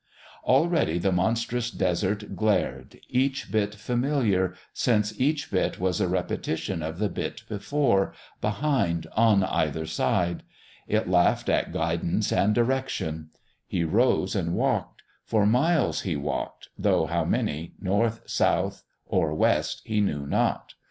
Already the monstrous Desert glared, each bit familiar, since each bit was a repetition of the bit before, behind, on either side. It laughed at guidance and direction. He rose and walked; for miles he walked, though how many, north, south, or west, he knew not.